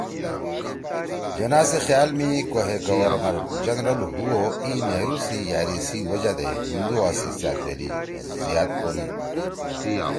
جناح سی خیال می کو ہے گورنر جنرل ہُو او ای نہرو سی یأری سی وجہ دے ہِندوا سی سأتویلی زیاد کونیِن